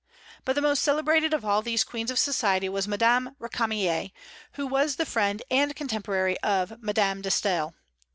But the most celebrated of all these queens of society was Madame Récamier, who was the friend and contemporary of Madame de Staël.